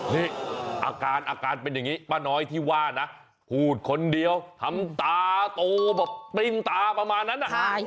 นี่อาการอาการเป็นอย่างนี้ป้าน้อยที่ว่านะพูดคนเดียวทำตาโตแบบปริ้นตาประมาณนั้น